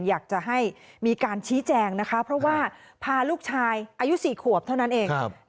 อยากจะให้มีการชี้แจงนะคะเพราะว่าพาลูกชายอายุ๔ขวบเท่านั้นเอง